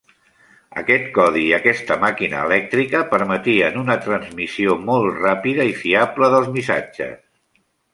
Aquest codi i aquesta màquina elèctrica permetien una transmissió molt ràpida i fiable dels missatges.